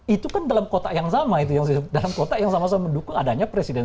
itu kan dalam kotak yang sama itu dalam kotak yang sama sama mendukung adanya presiden